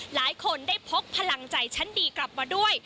หลายคนได้พกพลังใจชั้นดีกลับมาด้วย